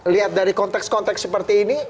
lihat dari konteks konteks seperti ini